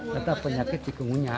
kata penyakit cikungunya